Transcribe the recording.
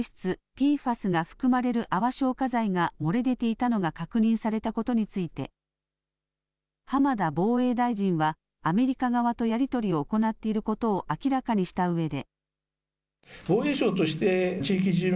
ＰＦＡＳが含まれる泡消火剤が漏れ出ていたのが確認されたことについて浜田防衛大臣はアメリカ側とやり取りを行っていることを明らかにしたうえで。